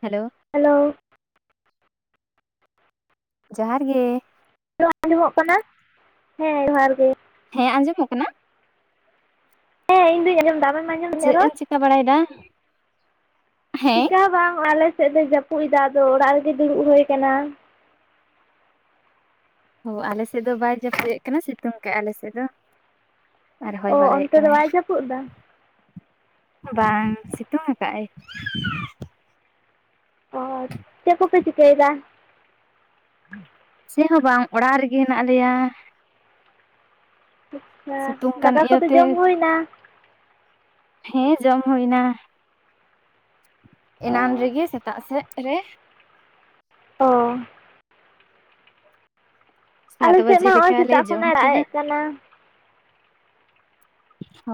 Hello hello ᱡᱚᱦᱟᱨ ᱜᱮ ᱟᱸᱡᱚᱢᱚᱜ ᱠᱟᱱᱟ ᱦᱮᱸ ᱡᱚᱦᱟᱨ ᱜᱮ ᱦᱮᱸ ᱟᱸᱡᱚᱢᱚᱜ ᱠᱟᱱᱟ? ᱦᱮ ᱫᱚᱧ ᱟᱡᱚᱢᱫᱟ ᱪᱮᱫ ᱮᱢ ᱨᱚᱲ ᱪᱤᱠᱟᱹ ᱵᱟᱲᱟᱭᱮᱫᱟ ᱦᱮᱸ ᱪᱮᱠᱟ ᱦᱚᱸ ᱵᱟᱝ ᱟᱞᱮ ᱥᱮᱫ ᱫᱚ ᱡᱟᱯᱩᱫ ᱟᱫᱚ ᱚᱲᱟᱜ ᱨᱮᱜᱮ ᱫᱩᱲᱩᱵ ᱦᱳᱭ ᱠᱟᱱᱟ ᱚ ᱟᱞᱮ ᱥᱮᱫ ᱫᱚ ᱵᱟᱭ ᱡᱟᱹᱯᱩᱫ ᱮᱜ ᱠᱟᱱᱟ ᱥᱤᱛᱩᱝ ᱠᱟᱜᱼᱟᱭ ᱟᱞᱮ ᱥᱮᱫ ᱫᱚ ᱟᱨ ᱦᱚᱭ ᱚ ᱵᱟᱲᱟᱭᱮᱫ ᱚᱱᱛᱮ ᱫᱚ ᱠᱟᱱᱟᱭ ᱵᱟᱭ ᱡᱟᱹᱯᱩᱫ ᱮᱫᱟ ᱵᱟᱝ ᱥᱤᱛᱩᱝ ᱟᱠᱟᱜᱼ ᱟᱭ ᱪᱮᱫ ᱠᱚᱯᱮ ᱪᱤᱠᱟᱹᱭᱫᱟ ᱪᱮᱜ ᱦᱚᱸ ᱵᱟᱝ ᱚᱲᱟᱜ ᱨᱮᱜᱮ ᱦᱮᱱᱟᱜ ᱞᱮᱭᱟ ᱟᱪᱪᱷᱟ ᱥᱤᱛᱩᱝ ᱠᱟᱱ ᱫᱟᱠᱟ ᱠᱚᱫᱚ ᱤᱭᱟᱹᱛᱮ ᱡᱚᱢ ᱦᱩᱭᱱᱟ? ᱦᱮᱸ ᱡᱚᱢ ᱦᱩᱭᱱᱟ ᱚ ᱮᱱᱟᱱ ᱨᱮᱜᱮ ᱥᱮᱛᱟᱜ ᱥᱮᱫ ᱨᱮ ᱚ ᱥᱟᱛ ᱟᱞᱮ ᱥᱮᱫ ᱵᱟᱡᱮ ᱢᱟ ᱱᱚᱜᱼᱚᱭ ᱞᱮᱠᱟᱞᱮ ᱥᱮᱛᱟᱜ ᱡᱚᱢ ᱠᱷᱚᱱᱟᱜ ᱮ ᱫᱟᱜ ᱠᱮᱫᱟ ᱮᱫ ᱠᱟᱱᱟ ᱦᱚ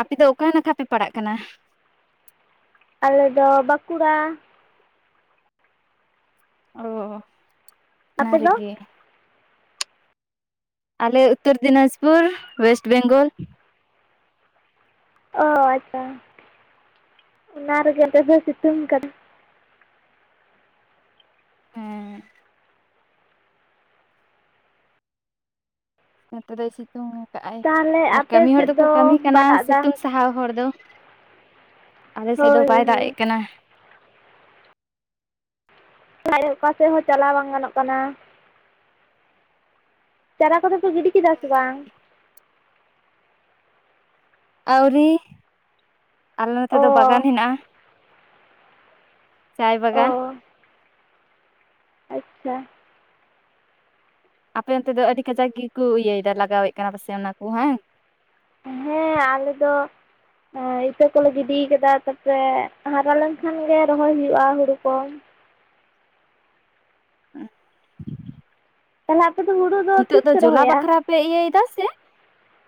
ᱟᱯᱮ ᱫᱚ ᱚᱠᱟ ᱱᱟᱠᱷᱟ ᱯᱮ ᱯᱟᱲᱟᱜ ᱠᱟᱱᱟ? ᱟᱞᱮᱫᱚ ᱵᱟᱸᱠᱩᱲᱟ ᱚ ᱚᱱᱟ ᱟᱯᱮ ᱫᱚ ᱨᱤᱜᱮ ᱟᱞᱮ ᱩᱛᱛᱚᱨ ᱫᱤᱱᱟᱡᱽᱯᱩᱨ ᱳᱭᱮᱥᱴ ᱵᱮᱝᱜᱚᱞ ᱚ ᱟᱪᱪᱷᱟ ᱚᱱᱟ ᱨᱮᱜᱮ ᱚᱱᱛᱮ ᱫᱚ ᱥᱤᱛᱩᱝ ᱠᱟᱫᱟ ᱦᱩᱸ ᱱᱮᱛᱮᱫ ᱫᱚᱭ ᱥᱤᱛᱩᱝ ᱠᱟᱜᱼ ᱟᱭ ᱛᱟᱦᱚᱞᱮ ᱟᱨ ᱟᱯᱮ ᱠᱟᱹᱢᱤ ᱦᱚᱲ ᱥᱮᱫ ᱫᱚᱠᱚ ᱫᱚ ᱠᱟᱹᱢᱤ ᱵᱟᱭ ᱠᱟᱱᱟ ᱫᱟᱜ ᱮᱫᱟ ᱥᱤᱛᱩᱝ ᱥᱟᱦᱟᱣ ᱦᱚᱲ ᱫᱚ ᱟᱞᱮᱥᱮᱫ ᱫᱚ ᱦᱳᱭ ᱵᱟᱭ ᱦᱳᱭ ᱫᱟᱜ ᱮᱜ ᱠᱟᱱᱟ [unintelligible] ᱚᱠᱟ ᱥᱮᱫ ᱦᱚᱸ ᱪᱟᱞᱟᱣ ᱵᱟᱝ ᱜᱟᱱᱚᱜ ᱠᱟᱱᱟ ᱪᱟᱨᱟ ᱠᱚᱫᱚ ᱯᱮ ᱜᱤᱰᱤ ᱠᱮᱫᱟ ᱥᱮ ᱵᱟᱝ? ᱟᱹᱣᱨᱤ ᱟᱞᱮ ᱱᱚᱛᱮ ᱚ ᱫᱚ ᱵᱟᱜᱟᱱ ᱦᱮᱱᱟᱜᱼᱟ ᱪᱟᱭ ᱚ ᱵᱟᱜᱟᱱ ᱟᱪᱪᱷᱟ ᱟᱯᱮ ᱚᱱᱛᱮ ᱫᱚ ᱟᱹᱰᱤ ᱠᱟᱡᱟᱠ ᱜᱮᱠᱚ ᱤᱭᱟᱹᱭᱫᱟ ᱞᱟᱜᱟᱣᱮᱜ ᱠᱟᱱᱟ ᱯᱟᱥᱮ ᱚᱱᱟ ᱠᱚ ᱵᱟᱝ? ᱦᱮᱸ ᱟᱞᱮ ᱫᱚ ᱤᱛᱟᱹ ᱠᱚᱞᱮ ᱜᱤᱰᱤ ᱠᱟᱫᱟ ᱛᱟᱯᱚᱨᱮ ᱦᱟᱨᱟ ᱞᱮᱱ ᱠᱷᱟᱱ ᱜᱮ ᱨᱚᱦᱚᱭ ᱦᱩᱭᱩᱜᱼᱟ ᱦᱩᱲᱩ ᱠᱚ [unintelligible] ᱛᱟᱦᱞᱮ ᱟᱯᱮ ᱫᱚ ᱦᱩᱲᱩ ᱫᱚ ᱱᱤᱛᱚᱜ ᱛᱤᱥ ᱯᱮ ᱡᱚᱞᱟ ᱨᱚᱦᱚᱭᱟ ᱵᱟᱠᱷᱨᱟ ᱯᱮ ᱤᱭᱟᱹᱭᱫᱟ ᱥᱮ?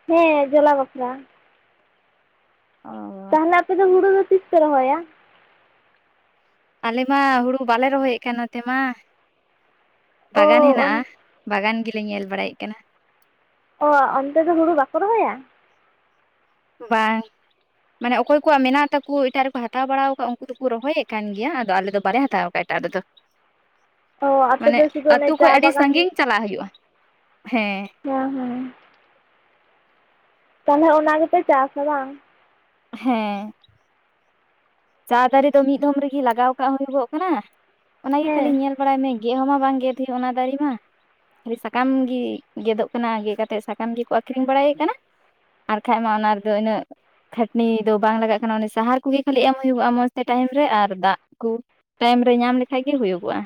ᱦᱮᱸ ᱡᱚᱞᱟ ᱵᱟᱠᱷᱨᱟ ᱚ ᱛᱟᱦᱚᱞᱮ ᱟᱯᱮ ᱫᱚ ᱦᱩᱲᱩ ᱫᱚ ᱛᱤᱥ ᱯᱮ ᱨᱚᱦᱚᱭᱟ? ᱟᱞᱮ ᱢᱟ ᱦᱩᱲᱩ ᱵᱟᱞᱮ ᱨᱚᱦᱚᱭᱮᱜ ᱠᱟᱱ ᱱᱚᱛᱮᱢᱟ ᱚ ᱵᱟᱜᱟᱱ ᱦᱮᱱᱟᱜᱼᱟ ᱵᱟᱜᱟᱱ ᱜᱮᱞᱮ ᱧᱮᱞ ᱵᱟᱲᱟᱭᱮᱫ ᱠᱟᱱᱟ ᱚ ᱚᱱᱛᱮ ᱫᱚ ᱦᱩᱲᱩ ᱵᱟᱠᱚ ᱨᱚᱦᱚᱭᱟ? ᱵᱟᱭ ᱢᱟᱱᱮ ᱟᱠᱚᱭ ᱠᱚᱣᱟᱜ ᱢᱮᱱᱟᱜ ᱛᱟᱠᱩ ᱦᱟᱛᱟᱣ ᱵᱟᱲᱟ ᱟᱠᱟᱫ ᱩᱱᱠᱩ ᱫᱚᱠᱚ ᱨᱚᱦᱚᱭᱮᱫ ᱠᱟᱱ ᱜᱮᱭᱟ ᱟᱫᱚ ᱟᱞᱮ ᱫᱚ ᱵᱟᱞᱮ ᱦᱟᱛᱟᱣ ᱟᱠᱟᱫᱟ ᱮᱴᱟᱜ ᱨᱮᱫᱚ ᱟᱯᱮ ᱢᱟᱱᱮ ᱫᱚ ᱥᱩᱫᱩ ᱚᱱᱮ ᱟᱹᱛᱩ ᱠᱷᱚᱡ ᱪᱟ ᱟᱹᱰᱤ ᱵᱟᱜᱟᱱ ᱥᱟᱺᱜᱤᱧ ᱪᱟᱞᱟᱜ ᱦᱩᱭᱩᱜᱼᱟ ᱦᱮᱸ ᱦᱩᱸ [inaudible] ᱛᱟᱦᱚᱞᱮ ᱚᱱᱟ ᱜᱮᱯᱮ ᱪᱟᱥᱟ ᱵᱟᱝ ᱦᱮᱸ ᱪᱟ ᱫᱟᱨᱮ ᱫᱚ ᱢᱤᱫ ᱫᱷᱚᱢ ᱨᱮᱜᱤ ᱞᱟᱜᱟᱣ ᱠᱟᱜ ᱦᱩᱭᱩᱜᱚᱜ ᱠᱟᱱᱟ ᱚᱱᱟᱜᱮ ᱠᱷᱟᱹᱞᱤ ᱦᱮᱸ ᱧᱮᱞ ᱵᱟᱲᱟᱭ ᱢᱮ ᱜᱮᱫ ᱦᱚᱸ ᱵᱟᱝ ᱜᱮᱫ ᱦᱩᱭᱩᱜ-ᱟ ᱚᱱᱟ ᱫᱟᱨᱮ ᱢᱟ ᱥᱟᱠᱟᱢ ᱜᱮ ᱜᱮᱫᱚᱜ ᱠᱟᱱᱟ ᱜᱮᱫ ᱠᱟᱛᱮᱜ ᱥᱟᱠᱟᱢ ᱜᱮᱠᱚ ᱟᱹᱠᱷᱨᱤᱧ ᱵᱟᱲᱟᱭᱮᱫ ᱠᱟᱱᱟ ᱟᱨᱠᱟᱱᱡ ᱢᱟ ᱚᱱᱟ ᱨᱮᱫᱚ ᱩᱱᱟᱹᱜ ᱠᱷᱟᱹᱴᱱᱤ ᱫᱚ ᱵᱟᱝ ᱞᱟᱜᱟᱜ ᱠᱟᱱᱟ ᱮ ᱥᱟᱦᱟᱨ ᱠᱚᱜᱮ ᱠᱷᱟᱹᱞᱤ ᱮᱢ ᱦᱩᱭᱩᱜᱼᱟ ᱢᱚᱸᱡᱽ ᱛᱮ ᱴᱟᱭᱤᱢ ᱨᱮ ᱟᱨ ᱫᱟᱜ ᱠᱚ ᱴᱟᱭᱤᱢ ᱨᱮ ᱧᱟᱢ ᱞᱮᱠᱷᱟᱡ ᱜᱮ ᱦᱩᱭᱩᱜᱼᱟ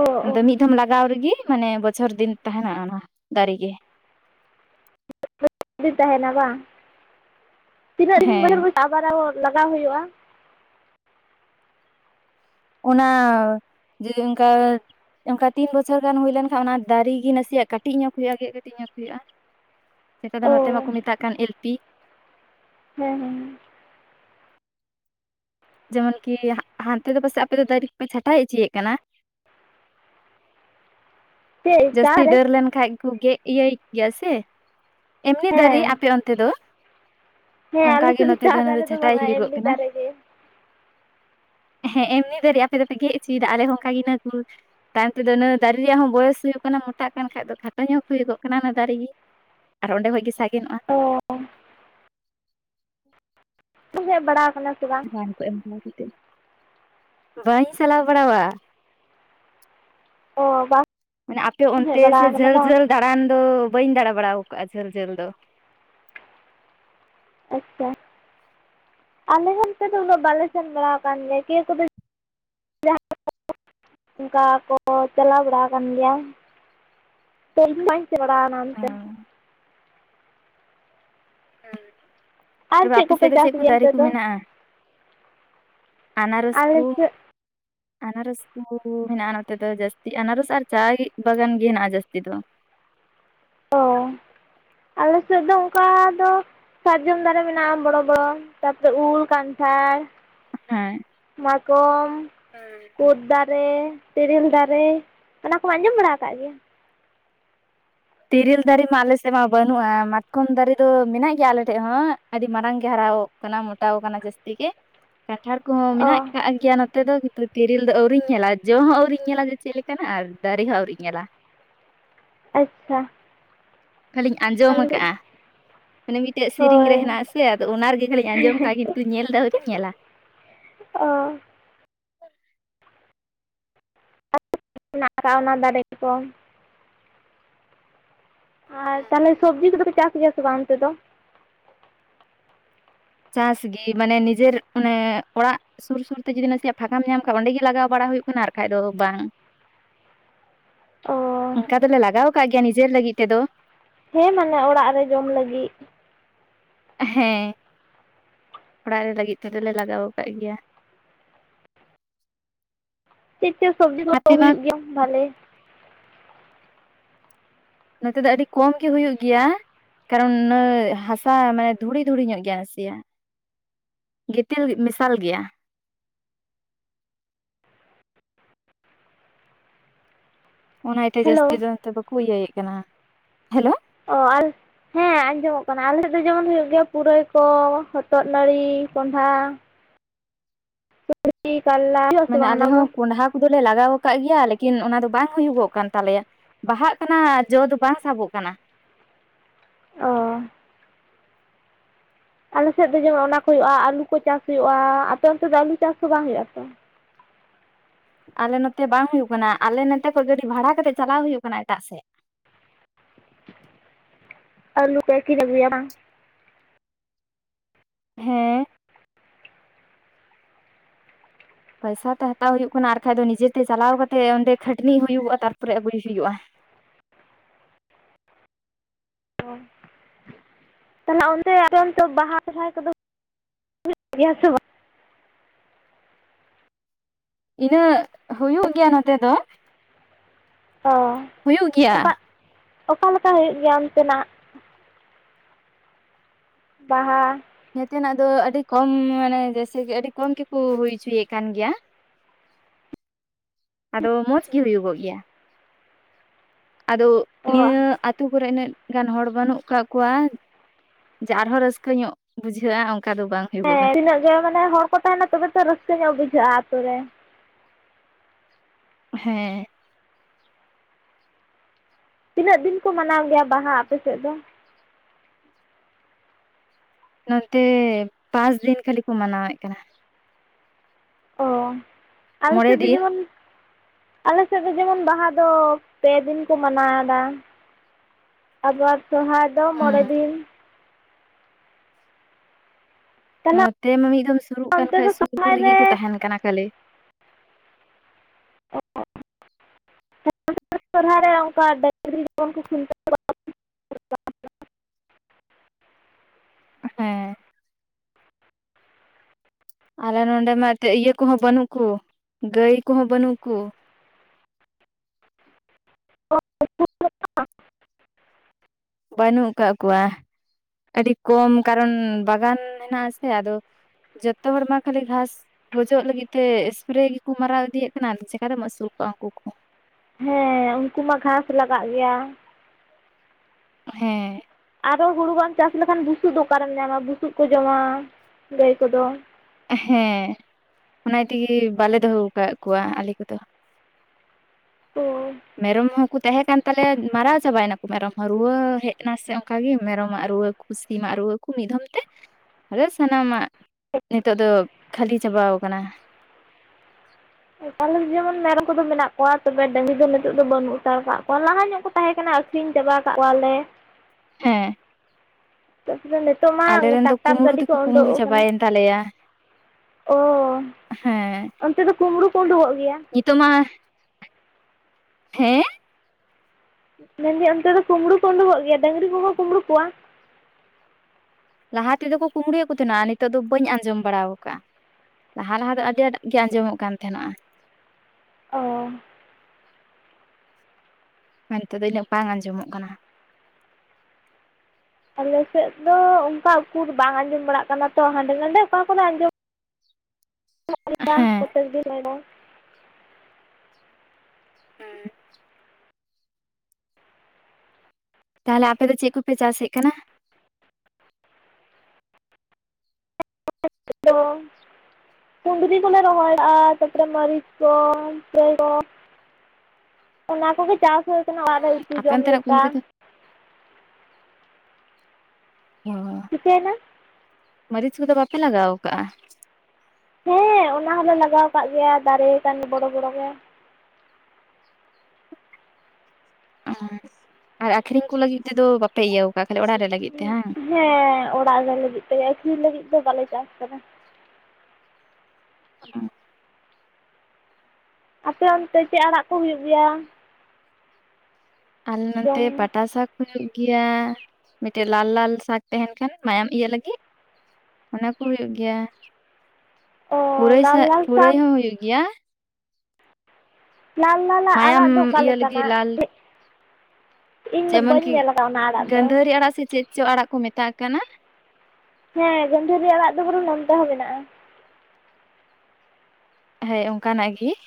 ᱚ ᱚ ᱟᱫᱚ ᱢᱤᱫ ᱫᱷᱚᱢ ᱞᱟᱜᱟᱣ ᱨᱮᱜᱮ ᱢᱟᱱᱮ ᱵᱚᱪᱷᱚᱨ ᱫᱤᱱ ᱛᱟᱦᱮᱱᱟ ᱚᱱᱟ ᱫᱟᱨᱮ ᱜᱮ [unintelligible] ᱛᱟᱦᱮᱱᱟ ᱵᱟᱝ ᱛᱤᱱᱟᱹᱜ ᱫᱤᱱ ᱦᱮᱸ ᱵᱚᱭᱪᱚᱨ ᱟᱵᱟᱨ ᱟ ᱞᱟᱜᱟᱣ ᱦᱩᱭᱩᱜ-ᱟ ᱚᱱᱟ ᱡᱤ ᱚᱱᱠᱟ ᱚᱱᱠᱟ ᱛᱤᱱ ᱵᱚᱪᱷᱚᱨ ᱜᱟᱱ ᱦᱩᱭ ᱞᱮᱱᱠᱷᱟᱱ ᱚᱱᱟ ᱫᱟᱨᱮ ᱜᱮ ᱱᱟᱥᱮᱱᱟᱜ ᱠᱟᱹᱴᱤᱡ ᱧᱚᱜ ᱦᱩᱭᱩᱜ-ᱟ ᱜᱮᱫ ᱠᱟᱹᱴᱤᱡ ᱧᱚᱜ ᱦᱩᱭᱩᱜ-ᱟ ᱪᱮᱠᱟ ᱫᱚ ᱱᱚᱛᱮ ᱚ ᱢᱟᱠᱚ ᱢᱮᱛᱟᱜ ᱠᱟᱱ ᱮᱞᱯᱤ ᱦᱮᱸ ᱦᱮᱸ ᱡᱮᱢᱚᱱ ᱠᱤ ᱦᱟᱱᱛᱮ ᱫᱚ ᱯᱟᱥᱮᱡ ᱟᱯᱮ ᱫᱚ ᱫᱟᱨᱮ ᱠᱚᱯᱮ ᱪᱷᱟᱴᱟᱭ ᱦᱚᱪᱚᱭᱮᱫ ᱠᱟᱱᱟ ᱪᱮᱫ ᱪᱟ ᱡᱟᱹᱥᱛᱤ ᱨᱮ ᱰᱟᱹᱨ ᱞᱮᱱᱠᱷᱟᱱᱡ ᱠᱚ ᱜᱮᱫ ᱤᱭᱟᱹᱭ ᱜᱮᱭᱟ ᱥᱮ ᱮᱢᱱᱤ ᱫᱟᱨᱮ ᱦᱮᱸ ᱟᱯᱮ ᱚᱱᱛᱮ ᱫᱚ ᱦᱮᱸ ᱟᱞᱮ ᱚᱱᱠᱟᱜᱮ ᱥᱮ ᱱᱚᱛᱮ ᱪᱟ ᱚᱱᱟ ᱫᱟᱨᱮ ᱫᱚ ᱪᱷᱟᱴᱟᱭ ᱵᱟᱝᱼᱟ, ᱦᱩᱭᱩᱜᱚᱜ ᱮᱢᱱᱤ ᱠᱟᱱᱟ ᱫᱟᱨᱮ ᱜᱮ᱾ ᱦᱮᱸ ᱮᱢᱱᱤ ᱫᱷᱟᱹᱨᱤᱡ ᱟᱯᱮ ᱫᱚᱯᱮ ᱜᱮᱫ ᱦᱚᱪᱚᱭᱮᱫᱟ ᱟᱞᱮ ᱦᱚᱸ ᱚᱱᱠᱟ ᱜᱮ ᱤᱱᱟᱹ ᱠᱚ ᱛᱟᱭᱚᱢ ᱛᱮᱫᱚ ᱤᱱᱟᱹ ᱫᱟᱨᱮ ᱨᱮᱭᱟᱜ ᱦᱚᱸ ᱵᱚᱭᱮᱥ ᱦᱩᱭᱩᱜ ᱠᱟᱱᱟ ᱠᱟᱱᱟ ᱢᱚᱴᱟᱜ ᱠᱟᱱ ᱠᱷᱟᱡ ᱫᱚ ᱠᱷᱟᱴᱚ ᱧᱚᱜ ᱦᱩᱭᱩᱜᱚᱜ ᱠᱟᱱᱟ ᱚᱱᱟ ᱫᱟᱨᱮᱜ ᱜᱮ ᱟᱨ ᱚᱸᱰᱮ ᱠᱷᱚᱡ ᱜᱮ ᱥᱟᱜᱮᱱᱚᱜ-ᱟ ᱚ [inaudible] ᱦᱮᱡ ᱵᱟᱲᱟ ᱟᱠᱟᱱᱟ ᱥᱮ ᱵᱟᱝ [unintelligible] ᱵᱟᱹᱧ ᱪᱟᱞᱟᱣ ᱵᱟᱲᱟᱣᱟ ᱚ ᱵᱟᱢ ᱢᱟᱱᱮ ᱟᱯᱮ ᱦᱮᱡ ᱚᱱᱛᱮ ᱵᱟᱲᱟ ᱥᱮ ᱟᱠᱟᱱᱟ ᱡᱷᱟᱹᱞ ᱵᱟᱝ ᱡᱷᱟᱹᱞ ᱫᱟᱲᱟᱱ ᱫᱚ ᱵᱟᱹᱧ ᱫᱟᱲᱟ ᱵᱟᱲᱟ ᱟᱠᱟᱫᱟ-ᱟ ᱡᱷᱟᱹᱞ ᱡᱷᱟᱹᱞ ᱫᱚ ᱟᱪᱷᱟ ᱟᱞᱮ ᱫᱚ ᱚᱱᱛᱮ ᱫᱚ ᱩᱱᱟᱹᱜ ᱵᱟᱞᱮ ᱥᱮᱱ ᱵᱟᱲᱟ ᱟᱠᱟᱱ ᱜᱮᱭᱟ [inaudible] ᱠᱮ ᱠᱚᱫᱚ ᱚᱱᱠᱟ ᱠᱚ ᱪᱟᱞᱟᱣ ᱵᱟᱲᱟ ᱟᱠᱟᱱ ᱜᱮᱭᱟ ᱛᱤᱧ ᱦᱚᱸ ᱵᱟᱧ ᱪᱟᱞᱟᱣ ᱵᱟᱲᱟᱣ ᱚ ᱚᱱᱛᱮ ᱟᱨ ᱛᱚᱵᱮ ᱟᱯᱮ ᱠᱚᱯᱮ ᱥᱮᱫ ᱫᱚ ᱪᱟᱥ ᱪᱮᱫ ᱠᱚ ᱜᱮᱭᱟ ᱫᱟᱨᱮ ᱚᱱᱛᱮ ᱠᱚ ᱫᱚ ᱢᱮᱱᱟᱜ-ᱟ ᱟᱱᱟᱨᱚᱥ ᱠᱚ ᱦ [unintelligible] ᱟᱱᱟᱨᱚᱥ ᱠᱚ ᱢᱮᱱᱟᱜ-ᱟ ᱱᱚᱛᱮ ᱫᱚ ᱡᱟᱹᱥᱛᱤ ᱟᱱᱟᱨᱚᱥ ᱟᱨ ᱪᱟ ᱵᱟᱜᱟᱱ ᱜᱮ ᱦᱮᱱᱟᱜ-ᱟ ᱡᱟᱹᱥᱛᱤ ᱫᱚ ᱦᱚᱭ ᱟᱞᱮ ᱥᱮᱫ ᱫᱚ ᱚᱱᱠᱟ ᱫᱚ ᱥᱟᱨᱡᱚᱢ ᱫᱟᱨᱮ ᱢᱮᱱᱟᱜ-ᱟ ᱵᱚᱲᱚ ᱵᱚᱲᱚ ᱛᱟᱨᱯᱚᱨᱮ ᱩᱞ ᱠᱟᱱᱴᱷᱟᱲ ᱦᱮᱸ ᱢᱟᱠᱚᱢ ᱠᱩᱫ ᱫᱟᱨᱮ ᱛᱮᱨᱮᱞ ᱫᱟᱨᱮ ᱚᱱᱟ ᱠᱚᱢᱟ ᱟᱸᱡᱚᱢ ᱵᱟᱲᱟ ᱟᱠᱟᱫ ᱜᱮᱭᱟ ᱛᱨᱮᱞ ᱫᱟᱨᱮ ᱢᱟ ᱟᱞᱮᱥᱮᱫ ᱢᱟ ᱵᱟᱹᱱᱩᱜ-ᱟ ᱢᱟᱛᱠᱚᱢ ᱫᱟᱨᱮ ᱫᱚ ᱢᱮᱱᱟᱜ ᱜᱮᱭᱟ ᱟᱞᱮ ᱴᱷᱮᱱ ᱦᱚᱸ ᱟᱹᱰᱤ ᱢᱟᱨᱟᱝ ᱜᱮ ᱦᱟᱨᱟ ᱚᱜ ᱥᱟᱱᱟᱢ ᱢᱚᱴᱟᱣ ᱟᱠᱟᱱᱟ ᱡᱟᱹᱥᱛᱤ ᱜᱮ ᱠᱟᱱᱴᱷᱟᱲ ᱠᱚᱦᱚᱸ ᱚ ᱢᱮᱱᱟᱜ ᱜᱮᱭᱟ ᱜᱮᱭᱟ ᱱᱚᱛᱮ ᱫᱚ ᱠᱤᱱᱛᱩ ᱛᱮᱤᱨᱤᱞ ᱫᱚ ᱟᱹᱣᱨᱤᱧ ᱧᱮᱞᱟ ᱡᱚ ᱦᱚᱸ ᱟᱹᱣᱨᱤᱧ ᱧᱞᱟ ᱡᱮ ᱪᱮᱫ ᱞᱮᱠᱟᱱᱟᱜ ᱟᱨ ᱫᱟᱨᱮ ᱦᱚᱸᱚᱸ ᱟᱹᱣᱨᱤᱧ ᱧᱮᱞᱟ ᱟᱪᱷᱟ ᱠᱷᱟᱹᱞᱤᱧ ᱟᱸᱡᱚᱢ ᱟᱠᱟᱫ-ᱟ ᱢᱟᱱᱮ ᱢᱤᱫᱴᱮᱡ ᱥᱮᱨᱮᱧ ᱦᱳᱭ ᱨᱮ ᱦᱮᱱᱟᱜ-ᱟ ᱥᱮ ᱟᱫᱚ ᱚᱱᱟ ᱨᱮᱜᱮ ᱠᱷᱟᱹᱞᱤᱧ ᱟᱸᱡᱚᱢ ᱟᱠᱟᱫᱜ-ᱟ ᱠᱤᱱᱛᱩ ᱧᱮᱞ ᱫᱚ ᱟᱹᱣᱨᱤᱧ ᱧᱮᱞᱟ ᱚ ᱢᱮᱱᱟᱜ ᱟᱠᱟᱫᱼᱟ ᱚᱱᱟ ᱫᱟᱨᱮ ᱠᱚ ᱾ ᱦᱳᱭ, ᱛᱟᱦᱚᱞᱮ ᱥᱚᱵᱽᱡᱤ ᱠᱚᱫᱚ ᱯᱮ ᱪᱟᱥ ᱜᱮᱭᱟ ᱥᱮ ᱵᱟᱝ ᱚᱱᱛᱮ ᱫᱚ? ᱪᱟᱥ ᱜᱮ ᱢᱟᱱᱮ ᱱᱤᱡᱮᱨ ᱚᱱᱮ ᱚᱲᱟᱜ ᱥᱩᱨ ᱥᱩᱨ ᱛᱮ ᱡᱩᱫᱤ ᱱᱟᱥᱮᱭᱟᱜ ᱯᱷᱟᱸᱠᱟᱢ ᱧᱟᱢ ᱠᱷᱟᱡ ᱚᱸᱰᱮ ᱜᱮ ᱞᱟᱜᱟᱣ ᱵᱟᱲᱟ ᱦᱩᱭᱩᱜ ᱠᱟᱱᱟ, ᱟᱨ ᱠᱷᱟᱡ ᱫᱚ ᱵᱟᱝ ᱾ [inaudible] ᱚ ᱚᱱᱠᱟ ᱫᱚᱞᱮ ᱞᱟᱜᱟᱣ ᱠᱟᱜ ᱜᱮᱭᱟ, ᱱᱤᱡᱮᱨ ᱞᱟᱹᱜᱤᱫ ᱛᱮᱫᱚ ᱾ ᱦᱮᱸ, ᱢᱟᱱᱮ ᱚᱲᱟᱜ ᱨᱮ ᱡᱚᱢ ᱞᱟᱹᱜᱤᱫ ᱾ ᱦᱮᱸ, ᱚᱲᱟᱜ ᱨᱮ ᱞᱟᱹᱜᱤᱫ ᱛᱮ ᱫᱚ ᱞᱮ ᱞᱟᱜᱟᱣ ᱟᱠᱟᱫ ᱜᱮᱭᱟ ᱾ ᱪᱮᱫ ᱪᱮᱫ ᱥᱚᱵᱽᱡᱤ ᱠᱚ ᱟᱯᱮ ᱢᱟ ᱦᱩᱭᱩᱜ ᱜᱮᱭᱟ ᱵᱷᱟᱞᱮ? ᱱᱚᱛᱮ ᱫᱚ ᱟᱹᱰᱤ ᱠᱚᱢ ᱜᱮ ᱦᱩᱭᱩᱜ ᱜᱮᱭᱟ ᱾ ᱠᱟᱨᱚᱱ ᱚᱱᱟ ᱦᱟᱥᱟ ᱢᱟᱱᱮ ᱫᱷᱩᱲᱤ ᱫᱷᱩᱲᱤ ᱧᱚᱜ ᱜᱮᱭᱟ ᱱᱟᱥᱮᱭᱟᱜ ᱾ ᱜᱤᱛᱤᱞ ᱢᱮᱥᱟᱞ ᱜᱮᱭᱟ ᱚᱱᱟᱴᱮᱡ ᱦᱮᱞᱳ ᱡᱟᱹᱥᱛᱤ ᱫᱚ ᱱᱚᱛᱮ ᱵᱟᱠᱚ ᱤᱭᱟᱹᱭᱮᱫ ᱠᱟᱱᱟ ᱦᱮᱞᱳ ᱚ ᱟᱨ [unintelligible] ᱦᱮᱸ ᱟᱸᱡᱚᱢᱚᱜ ᱠᱟᱱᱟ ᱟᱞᱮᱥᱮᱫ ᱫᱚ ᱡᱮᱢᱚᱱ ᱦᱩᱭᱩᱜ ᱜᱮᱭᱟ ᱯᱩᱨᱟᱹᱭ ᱠᱚ ᱦᱚᱛᱚᱫ ᱱᱟᱹᱲᱤ ᱠᱚᱸᱰᱷᱟ ᱡᱷᱤ ᱠᱟᱞᱞᱟ ᱟᱥᱮ ᱢᱟᱱᱮ ᱵᱟᱝ ᱟᱞᱮ ᱚᱱᱟ ᱠᱚ ᱦᱚᱸ ᱠᱚᱸᱰᱷᱟ ᱠᱚᱫᱚ ᱞᱮ ᱞᱟᱜᱟᱣ ᱟᱠᱟᱜ ᱜᱮᱭᱟ, ᱞᱮᱠᱤᱱ ᱚᱱᱟ ᱫᱚ ᱵᱟᱝ ᱦᱩᱭᱩᱜᱚᱜ ᱠᱟᱱ ᱛᱟᱞᱮᱭᱟ ᱾ ᱵᱟᱦᱟ ᱠᱟᱱᱟ ᱡᱚ ᱫᱚ ᱵᱟᱝ ᱥᱟᱵᱚᱜ ᱠᱟᱱᱟ ᱾ ᱚ ᱟᱞᱮ ᱥᱮᱫ ᱫᱚ ᱡᱮᱢᱚᱱ ᱚᱱᱟ ᱠᱚ ᱦᱩᱭᱩᱜᱼᱟ ᱟᱹᱞᱩ ᱠᱚ ᱪᱟᱥ ᱦᱩᱭᱩᱜᱼᱟ, ᱟᱯᱮ ᱚᱱᱛᱮ ᱫᱚ ᱟᱹᱞᱩ ᱪᱟᱥ ᱦᱚᱸ ᱵᱟᱝ ᱦᱩᱭᱩᱜᱼᱟ ᱛᱚ ᱾ ᱟᱞᱮ ᱱᱚᱛᱮ ᱵᱟᱝ ᱦᱩᱭᱩᱜ ᱠᱟᱱᱟ, ᱟᱞᱮ ᱱᱚᱛᱮ ᱠᱷᱚᱡ ᱜᱟᱹᱰᱤ ᱵᱷᱟᱲᱟ ᱠᱟᱛᱮ ᱪᱟᱞᱟᱣ ᱦᱩᱭᱩᱜ ᱠᱟᱱᱟ ᱮᱴᱟᱜ ᱥᱮᱫ ᱾ ᱟᱞᱩ ᱯᱮ ᱟᱠᱤᱨ ᱟᱜᱩᱭᱟ ᱵᱟᱝ? ᱦᱮᱸ ᱾ ᱯᱚᱭᱥᱟᱹ ᱛᱮ ᱦᱟᱛᱟᱣ ᱦᱩᱭᱩᱜ ᱠᱟᱱᱟ ᱟᱨ ᱵᱟᱠᱷᱟᱡ ᱫᱚ ᱱᱤᱡᱮᱛᱮ ᱪᱟᱞᱟᱣ ᱠᱟᱛᱮ ᱚᱸᱰᱮ ᱠᱷᱟᱹᱴᱱᱤ ᱦᱩᱭᱩᱜᱼᱟ, ᱛᱟᱨᱯᱚᱨᱮ ᱟᱹᱜᱩᱭ ᱦᱩᱭᱩᱜᱼᱟ ᱾ ᱛᱟᱦᱚᱞᱮ ᱚᱱᱛᱮ ᱟᱯᱮ ᱚᱱᱛᱮ ᱵᱟᱦᱟ ᱥᱚᱨᱦᱟᱭ ᱠᱚᱫᱚ ᱦᱩᱭᱩᱜ ᱜᱮᱭᱟ ᱥᱮ ᱵᱟᱝ? ᱤᱱᱟᱹ ᱦᱩᱭᱩᱜ ᱜᱮᱭᱟ ᱱᱚᱛᱮ ᱫᱚ, ᱚ ᱦᱩᱭᱩᱜ ᱜᱮᱭᱟ ᱚᱠᱟ ᱾ ᱚᱠᱟ ᱞᱮᱠᱟ ᱦᱩᱭᱩᱜ ᱜᱮᱭᱟ ᱚᱱᱛᱮ ᱱᱟᱜ ᱾ ᱵᱟᱦᱟ ᱾ ᱱᱚᱛᱱᱟᱜ ᱫᱚ ᱟᱹᱰᱤ ᱠᱚᱢ, ᱢᱟᱱᱮ ᱡᱮᱭᱥᱮ ᱠᱤ ᱟᱹᱰᱤ ᱠᱚᱢ ᱜᱮᱠᱚ ᱦᱩᱭ ᱦᱚᱪᱚᱭᱮᱫ ᱠᱟᱱ ᱜᱮᱭᱟ ᱾ ᱟᱫᱚ ᱢᱚᱸᱡᱽ ᱜᱮ ᱦᱩᱭᱩᱜᱚᱜ ᱜᱮᱭᱟ, ᱟᱫᱚ ᱚ ᱱᱤᱭᱟᱹ ᱟᱹᱛᱩ ᱠᱚᱨᱮᱱᱟᱜ ᱜᱟᱱ ᱦᱚᱲ ᱵᱟᱹᱱᱩᱜ ᱟᱠᱟᱜ ᱠᱚᱣᱟ ᱡᱮ, ᱟᱨᱦᱚᱸ ᱨᱟᱹᱥᱠᱟᱹ ᱧᱚᱜ ᱵᱩᱡᱷᱟᱹᱜᱼᱟ ᱚᱱᱠᱟ ᱫᱚ ᱵᱟᱝ ᱾ ᱦᱮᱸ, ᱛᱤᱱᱟᱹᱜ ᱜᱮ ᱢᱟᱱᱮ ᱦᱚᱲ ᱠᱚ ᱛᱟᱦᱮᱱᱟ ᱛᱚᱵᱮ ᱛᱚ ᱨᱟᱹᱥᱠᱟᱹ ᱧᱚᱜ ᱵᱩᱡᱷᱟᱹᱜᱼᱟ ᱟᱛᱩ ᱨᱮ ᱾ ᱦᱮᱸ ᱾ ᱛᱤᱱᱟᱹᱜ ᱫᱤᱱ ᱠᱚ ᱢᱟᱱᱟᱣ ᱜᱮᱭᱟ ᱵᱟᱦᱟ ᱟᱯᱮ ᱥᱮᱫ ᱫᱚ? ᱱᱚᱛᱮ ᱯᱟᱸᱪᱫᱤᱱ ᱠᱷᱟᱹᱞᱤ ᱠᱚ ᱢᱟᱱᱟᱣᱮᱫ ᱠᱟᱱᱟ ᱾ ᱚ ᱟᱞᱮ ᱢᱚᱬᱮ ᱥᱮᱫ ᱫᱚ ᱫᱤᱱ ᱡᱮᱢᱚᱱ ᱟᱞᱮ ᱥᱮᱫ ᱫᱚ ᱡᱮᱢᱚᱱ ᱵᱟᱦᱟ ᱫᱚ ᱯᱮ ᱫᱤᱱ ᱠᱚ ᱢᱟᱱᱟᱣᱫᱟ ᱾ ᱟᱵᱚᱣᱟᱜ ᱥᱚᱨᱚᱨᱟᱭ ᱫᱚ ᱢᱚᱬᱮ ᱦᱮᱸ ᱫᱤᱱ ᱾ ᱛᱟᱦᱚᱞᱮ ᱱᱚᱛᱮ ᱢᱟᱱᱮ ᱢᱤᱫ ᱫᱚᱢ ᱥᱩᱨᱩᱜ ᱠᱟᱱ ᱚᱱᱛᱮ ᱠᱷᱟᱡ ᱫᱚ ᱥᱩᱨᱩ ᱥᱚᱨᱦᱟᱭ ᱨᱮᱜᱮ ᱠᱚ ᱨᱮ ᱛᱟᱦᱮᱱ ᱠᱟᱱᱟ ᱠᱷᱟᱹᱞᱤ ᱾ ᱥᱚᱨᱦᱟᱭ ᱨᱮ ᱚᱱᱠᱟ ᱰᱟᱝᱨᱤ ᱵᱚᱱ ᱠᱚ ᱠᱷᱩᱱᱴᱟᱣ ᱦᱮᱸ ᱾ ᱟᱞᱮ ᱱᱚᱸᱰᱮ ᱢᱟ ᱛᱮ ᱤᱭᱟᱹ ᱠᱚᱦᱚᱸ ᱵᱟᱹᱱᱩᱜ ᱠᱚ, ᱜᱟᱹᱭ ᱠᱚᱦᱚᱸ ᱵᱟᱹᱱᱩᱜ ᱠᱚ ᱾ [unintelligible] ᱵᱟᱹᱱᱩᱜ ᱟᱠᱟᱫ ᱠᱚᱣᱟ ᱟᱹᱰᱤ ᱠᱚᱢ ᱠᱟᱨᱚᱱ ᱵᱟᱜᱟᱱ ᱦᱮᱱᱟᱜ ᱟᱥᱮ ᱟᱫᱚ ᱡᱚᱛᱚ ᱦᱚᱲᱢᱟ ᱠᱷᱟᱹᱞᱤ ᱜᱷᱟᱥ ᱜᱚᱡᱚᱜ ᱞᱟᱹᱜᱤᱫ ᱛᱮ ᱮᱥᱯᱨᱮ ᱜᱮᱠᱚ ᱢᱟᱨᱟᱣ ᱤᱫᱤᱭᱮᱫ ᱠᱟᱱᱟ ᱾ ᱪᱮᱠᱟᱛᱮᱢ ᱟᱹᱥᱩᱞ ᱠᱚᱣᱟ ᱩᱱᱠᱩ ᱠᱚ? ᱦᱮᱸ, ᱩᱱᱠᱩ ᱢᱟ ᱜᱷᱟᱥ ᱞᱟᱜᱟ ᱜᱮᱭᱟ ᱾ ᱦᱮᱸ ᱾ ᱟᱨᱚ ᱦᱩᱲᱩ ᱵᱟᱢ ᱪᱟᱥ ᱞᱮᱠᱷᱟᱱ ᱵᱩᱥᱩᱵ ᱫᱚ ᱚᱠᱟᱨᱮᱢ ᱧᱟᱢᱟ, ᱵᱩᱥᱩᱵ ᱠᱚ ᱡᱚᱢᱟ ᱜᱟᱹᱭ ᱠᱚᱫᱚ ᱾ ᱦᱮᱸ, ᱚᱱᱟ ᱛᱮᱜᱮ ᱵᱟᱞᱮ ᱫᱚᱦᱚ ᱟᱠᱟᱫ ᱠᱚᱣᱟ ᱟᱞᱮ ᱠᱚᱫᱚ ᱾ ᱚ ᱢᱮᱨᱚᱢ ᱦᱚᱸᱠᱚ ᱛᱟᱦᱮᱸ ᱠᱟᱱ ᱛᱟᱞᱮᱭᱟ, ᱢᱟᱨᱟᱣ ᱪᱟᱵᱟᱭᱮᱱᱟᱠᱚ ᱢᱮᱨᱚᱢ ᱦᱚᱸ, ᱨᱩᱣᱟᱹ ᱦᱮᱡ ᱱᱟ ᱥᱮ ᱚᱱᱠᱟ ᱜᱮ ᱢᱮᱨᱚᱢᱟᱜ ᱨᱩᱣᱟᱹ ᱾ ᱠᱩᱥᱤ ᱢᱟᱜ ᱨᱩᱣᱟᱹ ᱠᱚ ᱢᱤᱫ ᱫᱷᱚᱢ ᱛᱮ ᱾ [unintelligible] ᱥᱟᱱᱟᱢᱟᱜ ᱱᱤᱛᱚᱜ ᱫᱚ ᱠᱷᱟᱹᱞᱤ ᱪᱟᱵᱟᱣ ᱟᱠᱟᱱᱟ ᱾ ᱟᱞᱮᱨᱤᱱ ᱡᱮᱢᱚᱱ ᱢᱮᱨᱚᱢ ᱠᱚᱫᱚ ᱢᱮᱱᱟᱜ ᱠᱚᱣᱟ ᱛᱚᱵᱮ ᱰᱟᱹᱝᱨᱤ ᱫᱚ ᱱᱤᱛᱚᱜ ᱫᱚ ᱵᱟᱹᱱᱩᱜ ᱛᱟᱲ ᱠᱟᱜ ᱠᱚᱣᱟ ᱞᱟᱦᱟ ᱧᱚᱜ ᱠᱚ ᱛᱟᱦᱮᱸ ᱠᱟᱱᱟ ᱟᱹᱠᱷᱨᱤᱧ ᱪᱟᱵᱟ ᱠᱟᱜ ᱠᱚᱣᱟᱞᱮ ᱾ ᱦᱮᱸ ᱾ ᱛᱟᱯᱚᱨᱮ ᱱᱤᱛᱚᱜ ᱢᱟ ᱟᱞᱮᱨᱮᱱ ᱫᱚ ᱴᱟᱠᱴᱟᱨ ᱠᱩᱢᱲᱩ ᱜᱟᱹᱰᱤ ᱠᱚ ᱛᱮᱠᱚ ᱩᱰᱚᱸᱜ ᱠᱩᱢᱲᱩ ᱟᱠᱟᱱᱟ ᱾ ᱪᱟᱵᱟᱭᱮᱱ ᱛᱟᱞᱮᱭᱟ ᱚ ᱚᱱᱛᱮ ᱫᱚ ᱠᱩᱢᱲᱩ ᱠᱚ ᱩᱰᱩᱠᱚᱜ ᱜᱮᱭᱟ ᱾ ᱛᱚᱢᱟ ᱦᱮᱸ ᱢᱮᱱᱫᱟᱹᱧ ᱚᱱᱛᱮ ᱫᱚ ᱠᱩᱢᱵᱽᱲᱩ ᱠᱚ ᱩᱰᱩᱠᱚᱜ ᱜᱮᱭᱟ, ᱰᱟᱹᱝᱨᱤ ᱠᱚᱦᱚᱸ ᱠᱩᱢᱵᱽᱲᱩ ᱠᱚᱣᱟ? ᱞᱟᱦᱟ ᱛᱮᱫᱚ ᱠᱚ ᱠᱩᱢᱵᱲᱩᱭᱮᱫ ᱠᱚ ᱛᱟᱦᱮᱱᱟ ᱱᱤᱛᱚᱜ ᱫᱚ ᱵᱟᱹᱧ ᱟᱸᱡᱚᱢ ᱵᱟᱲᱟᱣ ᱠᱟᱜᱼᱟ ᱾ ᱞᱟᱦᱟ ᱞᱟᱦᱟ ᱫᱚ ᱟᱹᱰᱤ ᱟᱸᱴ ᱜᱮ ᱟᱸᱡᱚᱢᱚᱜ ᱠᱟᱱ ᱛᱟᱦᱮᱱᱟ ᱾ ᱚ ᱢᱮᱱᱛᱮ ᱤᱱᱟᱹᱜ ᱫᱚ ᱵᱟᱝ ᱟᱸᱡᱚᱢᱚᱜ ᱠᱟᱱᱟ ᱾ ᱟᱞᱮ ᱥᱮᱫ ᱫᱚ ᱚᱱᱠᱟ ᱩᱠᱩᱨ ᱵᱟᱝ ᱟᱸᱡᱚᱢ ᱵᱟᱲᱟᱜ ᱠᱟᱱᱟ ᱛᱚ ᱦᱟᱸᱰᱮ ᱱᱟᱰᱮ ᱚᱠᱟ ᱠᱚᱨᱮ ᱟᱸᱡᱚᱢ ᱦᱮᱸ [unintelligible] ᱦᱩᱸ ᱛᱟᱦᱚᱞᱮ ᱟᱯᱮ ᱫᱚ ᱪᱮᱫ ᱠᱚᱯᱮ ᱪᱟᱥᱮᱫ ᱠᱟᱱᱟ ᱾ [unintelligible] ᱠᱩᱸᱫᱽᱨᱤ ᱠᱚᱞᱮ ᱨᱚᱦᱚᱭᱮ-ᱟ ᱛᱟᱯᱚᱨᱮ ᱢᱟᱹᱨᱤᱪ ᱠᱚ ᱯᱩᱨᱟᱹᱭ ᱠᱚ ᱚᱱᱟ ᱠᱚᱜᱮ ᱪᱟᱥ ᱦᱩᱭ ᱠᱟᱱᱟ ᱚᱲᱟᱜ ᱨᱮ ᱩᱛᱩ ᱟᱯᱮ ᱡᱚᱢ ᱚᱱᱛᱮᱱᱟᱜ ᱞᱮᱠᱟ ᱠᱩᱸᱫᱽᱨᱤ ᱾ ᱫᱚ [unintelligible] ᱪᱤᱠᱟᱹᱭᱱᱟ ᱢᱟᱹᱨᱤᱪ ᱠᱚᱫᱚ ᱵᱟᱯᱮ ᱞᱟᱜᱟᱣ ᱟᱠᱟᱜ-ᱟ ᱾ ᱦᱮᱸ ᱚᱱᱟ ᱦᱚᱞᱮ ᱞᱟᱜᱟᱣ ᱠᱟᱜ ᱜᱮᱭᱟ ᱫᱟᱨᱮ ᱠᱟᱱ ᱵᱚᱲᱚ ᱵᱚᱲᱚ ᱜᱮ ᱾ [unintelligible] ᱟᱠᱷᱨᱤᱧ ᱠᱚ ᱞᱟᱹᱜᱤᱫ ᱛᱮᱫᱚ ᱵᱟᱯᱮ ᱤᱭᱟᱹ ᱟᱠᱟᱜ-ᱟ ᱠᱷᱟ. ‌ᱞᱤ ᱚᱲᱟᱜ ᱨᱮ [unintelligible] ᱾ ᱦᱮᱸ ᱚᱲᱟᱜ ᱨᱮ ᱞᱟᱹᱜᱤᱫ ᱛᱮᱜᱮ ᱟᱠᱷᱨᱤᱧ ᱞᱟᱹᱜᱤᱫ ᱫᱚ ᱵᱟᱞᱮ ᱪᱟᱥ ᱠᱟᱫᱟ ᱾ [unintelligible] ᱟᱯᱮ ᱚᱱᱛᱮ ᱪᱮᱫ ᱟᱲᱟᱜ ᱠᱚ ᱦᱩᱭᱩᱜ ᱜᱮᱭᱟ ᱾ ᱟᱞᱮ ᱱᱚᱛᱮ ᱡᱚᱢ ᱯᱟᱴᱟᱥᱟᱠ ᱾ ᱦᱩᱭᱩᱜ ᱜᱮᱭᱟ ᱢᱤᱫᱴᱮᱱ ᱞᱟᱞ ᱞᱟᱞ ᱥᱟᱠ ᱛᱟᱦᱮᱱ ᱠᱷᱟᱱ ᱢᱟᱭᱟᱢ ᱤᱭᱟᱹ ᱞᱟᱹᱜᱤᱫ ᱚᱱᱟ ᱠᱚ ᱦᱩᱭᱩᱜ ᱜᱮᱭᱟ ᱚ ᱯᱩᱨᱟᱹᱭ ᱞᱟᱞ ᱥᱟᱜ.. ᱞᱟᱞ ᱯᱩᱨᱟᱹᱭ ᱥᱟᱠ ᱦᱚᱸ ᱦᱩᱭᱩᱜ ᱜᱮᱭᱟ ᱾ ᱞᱟᱞ ᱞᱟᱞᱟᱜ ᱢᱟᱭᱟᱢ ᱟᱲᱟᱜ ᱫᱚ ᱚᱠᱟ ᱤᱭᱟᱹ ᱞᱮᱠᱟᱱᱟᱜ ᱪᱮᱫ? ᱤᱧ ᱫᱚ ᱡᱮᱢᱚᱱᱠ ᱵᱟᱹᱧ ᱤ ᱧᱮᱞ ᱟᱠᱟᱫᱟ ᱚᱱᱟ ᱟᱲᱟᱜ ᱫᱚ ᱜᱟᱹᱫᱷᱟᱹᱨᱤ ᱟᱲᱟᱜ ᱥᱮ ᱪᱮᱫ ᱪᱚ ᱟᱲᱟᱜ ᱠᱚ ᱢᱮᱛᱟᱜ ᱠᱟᱱᱟ ᱾ ᱦᱮᱸ ᱜᱟᱹᱫᱷᱟᱹᱨᱤ ᱟᱲᱟᱜ ᱫᱚ ᱱᱚᱱᱛᱮ ᱦᱚᱸ ᱢᱮᱱᱟᱜ-ᱟ ᱾ ᱦᱮᱸ ᱚᱱᱠᱟᱱᱟᱜ ᱜᱤ ᱾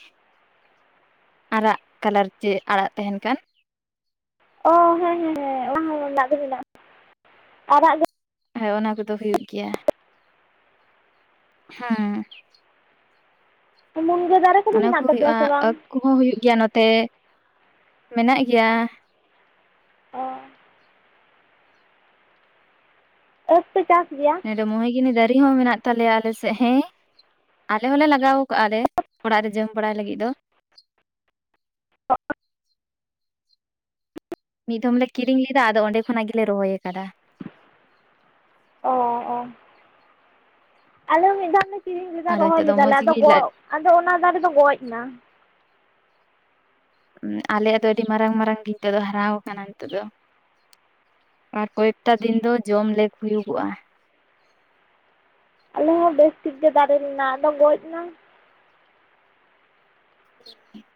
ᱟᱨᱟᱜ ᱠᱟᱞᱟᱨ ᱪᱮ ᱟᱲᱟᱜ ᱛᱟᱦᱮᱱ ᱠᱟᱱ ᱾ ᱚ ᱦᱮᱸ ᱦᱮᱸ ᱦᱮᱸ ᱚᱱᱟ ᱦᱚᱸ ᱢᱮᱱᱟᱜ ᱟᱨᱟᱜ ᱜᱮ ᱦᱮᱸ ᱚᱱᱟ ᱠᱚᱫᱚ ᱦᱩᱭᱩᱜ ᱜᱮᱭᱟ ᱾ ᱦᱮᱸ ᱢᱩᱱᱜᱟᱹ ᱫᱟᱨᱮ ᱠᱚᱫᱚ ᱚᱱᱟ ᱠᱚ ᱢᱮᱱᱟᱜ ᱛᱟᱯᱮᱭᱟ ᱦᱩᱭᱩᱜᱼᱟ ᱥᱮ ᱵᱟᱝ? ᱟᱹᱠ ᱠᱚᱦᱚᱸ ᱦᱩᱭᱩᱜ ᱜᱮᱭᱟ ᱱᱚᱛᱮ ᱢᱮᱱᱟᱜ ᱜᱮᱭᱟ ᱾ ᱚ ᱟᱺᱠ ᱯᱮ ᱪᱟᱥ ᱜᱮᱭᱟ? ᱢᱚᱦᱮᱜᱤᱱᱤ ᱫᱟᱨᱮ ᱦᱚᱸ ᱢᱮᱱᱟᱜ ᱛᱟᱞᱮᱭᱟ ᱟᱞᱮ ᱥᱮᱫ ᱦᱮᱸ ᱟᱞᱮ ᱦᱚᱞᱮ ᱞᱟᱜᱟᱣ ᱠᱟᱜ-ᱟᱞᱮ ᱚᱲᱟᱜ ᱨᱮ ᱡᱚᱢ ᱵᱟᱲᱟᱭ ᱞᱟᱹᱜᱤᱫ ᱫᱚ ᱾ [unintelligible] ᱢᱤᱫ ᱫᱷᱚᱢ ᱞᱮ ᱠᱤᱨᱤᱧ ᱞᱮᱫᱟ, ᱟᱫᱚ ᱚᱸᱰᱮ ᱠᱷᱚᱱᱟᱜ ᱜᱮᱞᱮ ᱨᱚᱦᱚᱭ ᱟᱠᱟᱫᱟ ᱾ ᱚ, ᱟᱞᱮ ᱢᱤᱫ ᱫᱷᱟᱣ ᱞᱮ ᱠᱤᱨᱤᱧ ᱞᱮᱫᱟ ᱟᱫᱚ ᱨᱚᱦᱚᱭ ᱱᱤᱛᱚᱜ ᱫᱚ ᱞᱮᱫᱟᱞᱮ, ᱢᱚᱸᱡᱽ ᱟᱫᱚ ᱜᱮ ᱜᱚᱜ ᱟᱫᱚ ᱚᱱᱟ ᱫᱟᱨᱮ ᱫᱚ ᱜᱚᱡ ᱮᱱᱟ ᱾ ᱟᱞᱮᱭᱟᱜ ᱫᱚ ᱟᱹᱰᱤ ᱢᱟᱨᱟᱝ ᱢᱟᱨᱟᱝ ᱤᱛᱟᱹ ᱫᱚ ᱦᱟᱨᱟᱣ ᱠᱟᱱᱟ, ᱱᱤᱛᱟᱹᱜ ᱫᱚ ᱟᱨ ᱠᱚᱭᱮᱠᱴᱟ ᱫᱤᱱ ᱫᱚ ᱡᱚᱢ ᱞᱮᱠ ᱦᱩᱭᱩᱜᱚᱜᱼᱟ ᱟᱞᱮ ᱦᱚᱸ ᱵᱮᱥ ᱴᱷᱤᱠ ᱜᱮ ᱫᱟᱨᱮ ᱞᱮᱱᱟ, ᱟᱫᱚ ᱜᱚᱡ ᱮᱱᱟ ᱾ [unintelligible]